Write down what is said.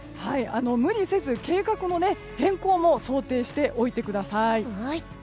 無理せず計画の変更も想定しておいてください。